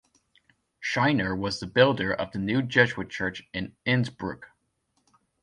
Scheiner was the builder of the new Jesuit church in Innsbruck.